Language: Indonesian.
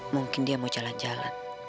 mungkin dia mau jalan jalan